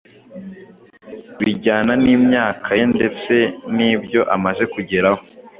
bijyana n’imyaka ye ndetse n’ibyo amaze kugeraho